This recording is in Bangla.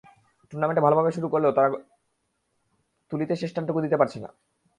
টুর্নামেন্ট ভালোভাবে শুরু করেও তারা তুলিতে শেষ টানটুকু দিতে পারছে না।